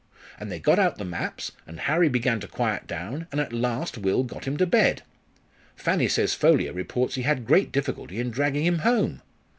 And they got out the maps, and Harry began to quiet down, and at last Will got him to bed. Fanny says Ffolliot reports he had great difficulty in dragging him home.